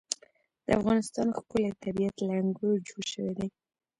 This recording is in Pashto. د افغانستان ښکلی طبیعت له انګورو جوړ شوی دی.